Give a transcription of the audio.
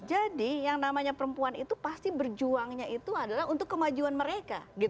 jadi yang namanya perempuan itu pasti berjuangnya itu adalah untuk kemajuan mereka